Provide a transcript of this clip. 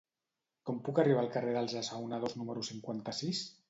Com puc arribar al carrer dels Assaonadors número cinquanta-sis?